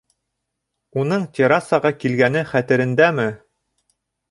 — Уның Террасаға килгәне хәтерендәме?